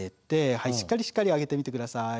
はいしっかりしっかり上げてみてください。